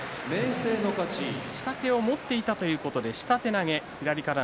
下手を持っていたということで下手投げ。